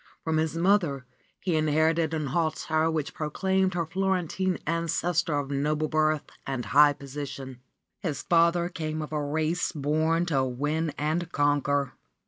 From his mother he inherited an hauteur which proclaimed his Florentine ancestor of noble birth and high position. His father came of a race born to win and conquer.